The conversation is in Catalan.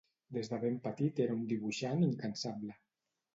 Des de ben petit era un dibuixant incansable.